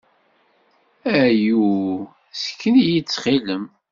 Ayu! Sken-iyi-d, ttxil-m!